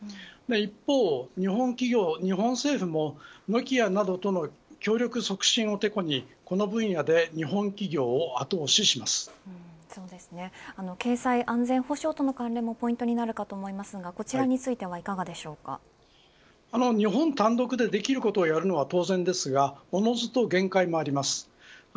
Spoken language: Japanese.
一方、日本企業日本政府もノキアなどとの協力促進をてこにこの分野で日本企業を経済安全保障との関連もポイントになるかと思いますがこちらについては日本単独でできることをやるのは当然ですがおのずと限界もあります。